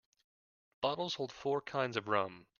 Bottles hold four kinds of rum.